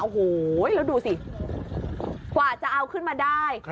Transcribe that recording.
โอ้โหแล้วดูสิกว่าจะเอาขึ้นมาได้